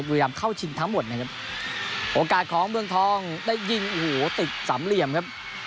พยายามเข้าชิงทั้งหมดนะครับโอกาสของเมืองทองได้ยิงโอ้โหติดสามเหลี่ยมครับ